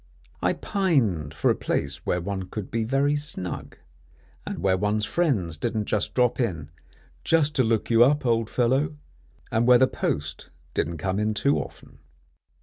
I pined for a place where one could be very snug, and where one's friends didn't drop in "just to look you up, old fellow," and where the post didn't come in too often.